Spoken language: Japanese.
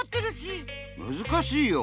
むずかしいよ。